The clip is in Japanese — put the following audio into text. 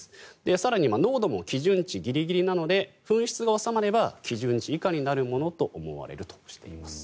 更に濃度も基準値ギリギリなので噴出が収まれば基準値以下になるものと思われるとしています。